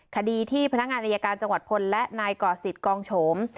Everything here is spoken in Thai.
คดีที่พนักงานอายการจังหวัดพลและนายก่อศิษย์กองโฉม